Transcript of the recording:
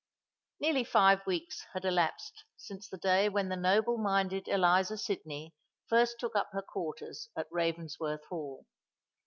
Nearly five weeks had elapsed since the day when the noble minded Eliza Sydney first took up her quarters at Ravensworth Hall.